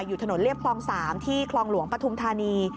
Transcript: อยู่ถนนเรียบคลอง๓ที่คลองหลวงปฐุมธานี